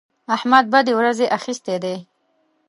احمد بدې ورځې اخيستی دی.